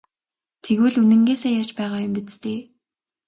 Тэгвэл үнэнээсээ ярьж байгаа юм биз дээ?